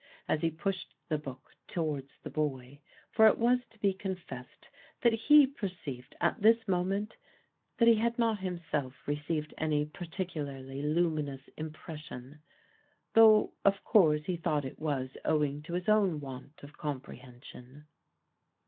as he pushed the book towards the boy, for it was to be confessed that he perceived at this moment that he had not himself received any particularly luminous impression, though of course he thought it was owing to his own want of comprehension.